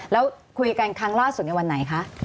แล้วคุยกันครั้งล่าสุดในวันไหนคะ